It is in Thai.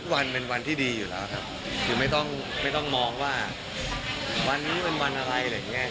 วันเป็นวันที่ดีอยู่แล้วครับคือไม่ต้องไม่ต้องมองว่าวันนี้เป็นวันอะไรอะไรอย่างนี้